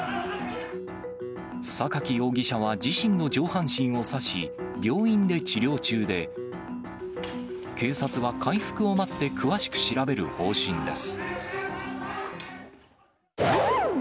榊容疑者は自身の上半身を刺し、病院で治療中で、警察は回復を待って、詳しく調べる方針です。